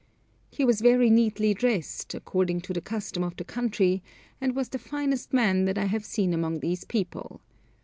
He was very neatly dressed, according to the custom of the country, and was the finest man that I have seen among these people.